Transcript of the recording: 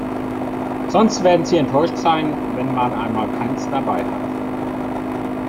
Sonst werden sie enttäuscht sein, wenn man einmal keins dabei hat.